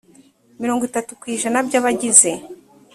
mirongo itatu ku ijana by abagize